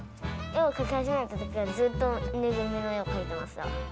絵を描き始めたときはずっと縫いぐるみの絵を描いてました。